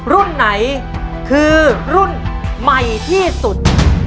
รุ่นไหนคือรุ่นใหม่ที่สุด